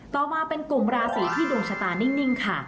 ต่อมาเป็นกลุ่มราศีที่ดวงชะตานิ่งค่ะ